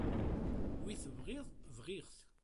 Wi tebɣiḍ bɣiɣ-t.